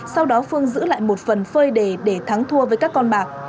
sau đó phương giữ lại một phần phơi đề để thắng thua với các con bạc